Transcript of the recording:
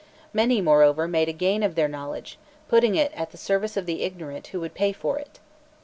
Many, moreover, made a gain of their knowledge, putting it at the service of the ignorant who would pay for it.